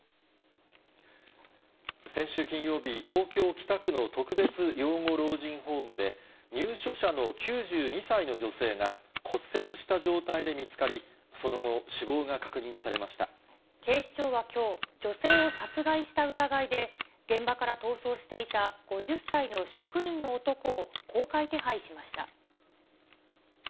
先週金曜日、東京・北区の特別養護老人ホームで、入所者の９２歳の女性が骨折した状態で見つかり、その後、死亡が警視庁はきょう、女性を殺害した疑いで、現場から逃走していた５０歳の職員の男を公開手配しました。